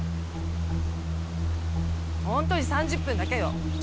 本当に３０分だけよ。